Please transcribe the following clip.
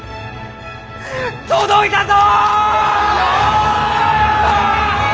届いたぞ！